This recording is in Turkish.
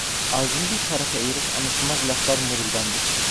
Ağzını bir tarafa eğerek anlaşılmaz laflar mırıldandı.